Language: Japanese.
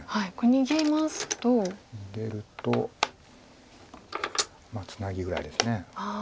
逃げるとツナギぐらいです。